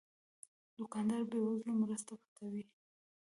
دوکاندار د بې وزلو مرسته پټوي.